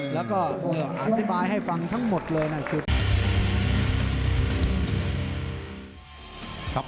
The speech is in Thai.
แล้วก็อธิบายให้ฟังทั้งหมดเลยนั่นคือ